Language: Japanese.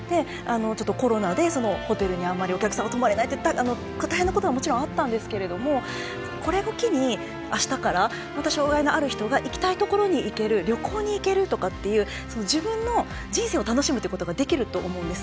コロナでホテルにあんまりお客さんが泊まれないという、大変なことはもちろんあったんですけどこれを機に、あしたからまた、障がいのある人が行きたいところに行ける旅行に行けるとかっていう自分の人生を楽しむっていうことできると思うんです。